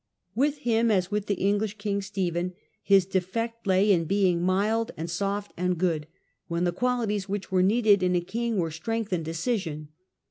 With him, as with the English king Stephen, his defect lay in being " mild and soft and good," when the qualities which were needed in a king were strength and decision.